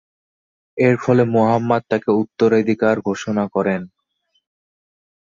এর ফলে মুহাম্মদ তাকে তার উত্তরাধিকারী ঘোষণা করেন।